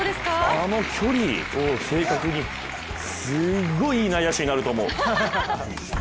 あの距離を正確に、すごいいい内野手になると思う！